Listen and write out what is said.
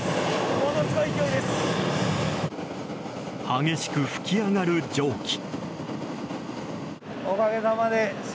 激しく噴き上がる蒸気。